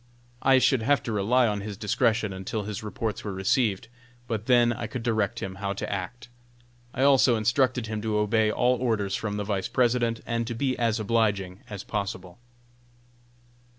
I should have to rely on his discretion until his reports were received; but then I could direct him how to act. I also instructed him to obey all orders from the Vice President, and to be as obliging as possible.